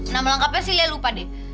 nama lengkapnya sih lia lupa deh